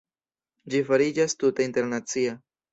Ĝi fariĝas tute internacia.